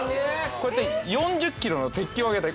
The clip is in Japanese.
こうやって４０ｋｇの鉄球を上げたり。